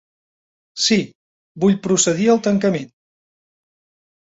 Sí, vull procedir al tancament!